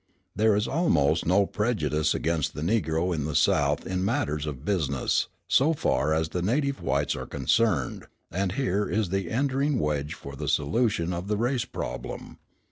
There is almost no prejudice against the Negro in the South in matters of business, so far as the native whites are concerned; and here is the entering wedge for the solution of the race problem.